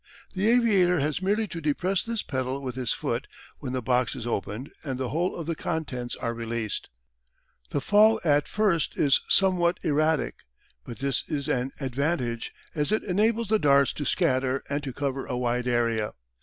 The aviator has merely to depress this pedal with his foot, when the box is opened and the whole of the contents are released. The fall at first is somewhat erratic, but this is an advantage, as it enables the darts to scatter and to cover a wide area.